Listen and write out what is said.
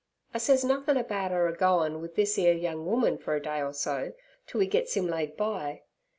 'I sez nothin' about 'er a goin' wi' this 'ere young woman fer a day or so, t' we gits 'im laid by.